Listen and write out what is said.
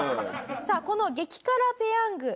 さあこの激辛ペヤング